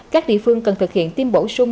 các địa phương cần thực hiện tiêm bổ sung